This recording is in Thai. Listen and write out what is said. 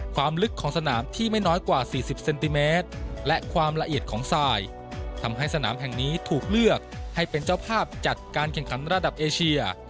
ความลึกของสนามที่ไม่น้อยกว่า๔๐เซนติเมตรและความละเอียดของสายทำให้สนามแห่งนี้ถูกเลือกให้เป็นเจ้าภาพจัดการแข่งขันระดับเอเชีย